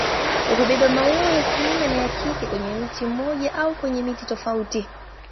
Hubeba maua ya kiume na ya kike kwenye mti mmoja au kwenye miti tofauti.